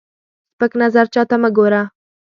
سپک نظر چاته مه ګوره